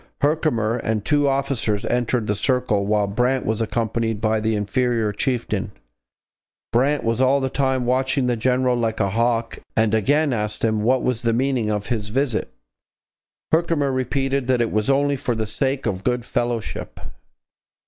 Herkimer and two officers entered the circle, while Brant was accompanied by the inferior chieftain. Brant was all the time watching the general like a hawk and again asked him what was the meaning of his visit. Herkimer repeated that it was only for the sake of good fellowship.